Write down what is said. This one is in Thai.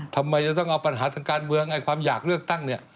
ทำไมจะต้องเอาปัญหาทางการเมืองไอ้ความอยากเลือกตั้งเนี่ย